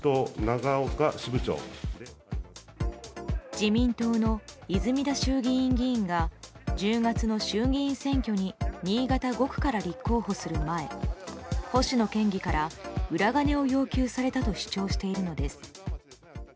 自民党の泉田衆議院議員が１０月の衆議院選挙に新潟５区から立候補する前星野県議から裏金を要求されたと主張しているのです。